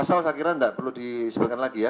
kalau pasal akhirnya enggak perlu disebutkan lagi ya